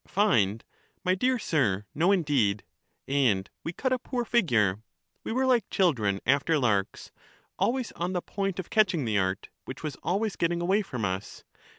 Find! my dear sir, no indeed. And we cut a poor figure; we were like children after larks, always on the point of catching the art, which was always getting away from us.